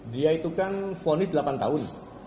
dia itu kan fonis delapan tahun